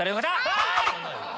はい‼